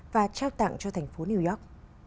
và trao tặng cho thành phố new york